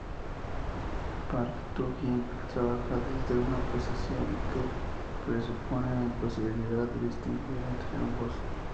Park Tu-jin trabaja desde una posición que presupone la imposibilidad de distinguir entre ambos.